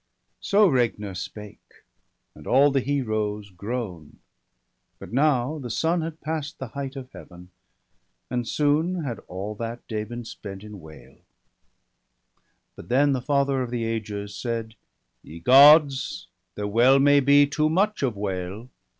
So Regner spake, and all the Heroes groan'd. But now the sun had pass'd the height of Heaven, And soon had all that day been spent in wail; But then the Father of the ages said :—' Ye Gods, there well may be too much of wail